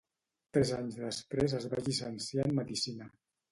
Tres anys després es va llicenciar en medicina.